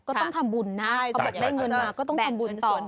ก็ต้องทำบุญนะเขาบอกได้เงินมาก็ต้องทำบุญต่อนะ